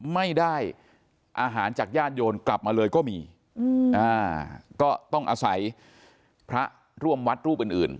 ไม่ได้อาหารจากญาติโยมกลับมาเลยก็มีก็ต้องอาศัยพระร่วมวัดรูปอื่นอื่น